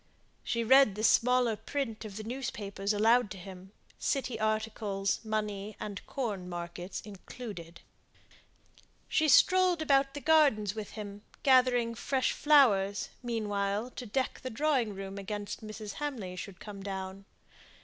She read the smaller print of the newspapers aloud to him, city articles, money and corn markets included. She strolled about the gardens with him, gathering fresh flowers, meanwhile, to deck the drawing room against Mrs. Hamley should come down.